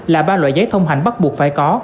là ba loại giấy thông hành bắt buộc phải có